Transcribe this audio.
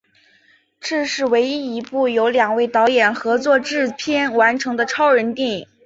这是唯一一部由两位导演合作制片完成的超人电影。